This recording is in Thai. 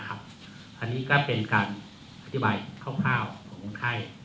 อันนี้ก็เป็นการอธิบายคร่าวของคนไข้